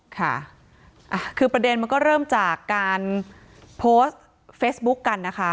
ค่ะคือประเด็นมันก็เริ่มจากการโพสต์เฟซบุ๊กกันนะคะ